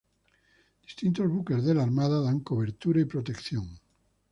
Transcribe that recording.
Distintos buques de la Armada dan cobertura y protección.